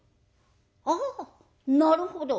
「ああなるほど。